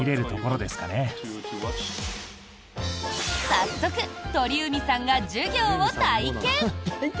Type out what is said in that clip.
早速、鳥海さんが授業を体験。